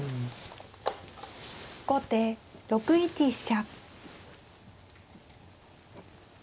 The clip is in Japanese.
後手６一飛車。